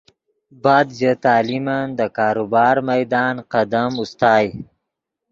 بعد ژے تعلیمن دے کاروبار میدان قدم اوستائے